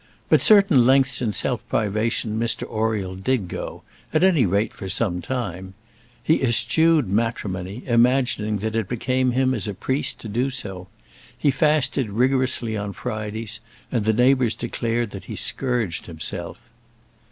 But certain lengths in self privation Mr Oriel did go; at any rate, for some time. He eschewed matrimony, imagining that it became him as a priest to do so. He fasted rigorously on Fridays; and the neighbours declared that he scourged himself.